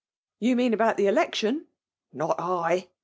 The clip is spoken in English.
'''' You mean about the election ? Not I